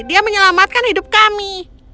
dia menyelamatkan hidup kami